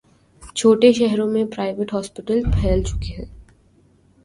چھوٹے شہروں میں پرائیویٹ ہسپتال پھیل چکے ہیں۔